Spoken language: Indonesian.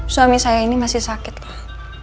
suami saya ini masih sakit lah